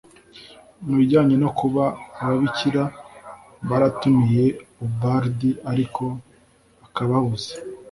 Ku bijyanye no kuba ababikira baratumiye Ubald ariko akababuza